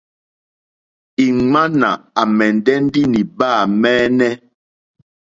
Ìŋmánà à mɛ̀ndɛ́ ndí nìbâ mɛ́ɛ́nɛ́.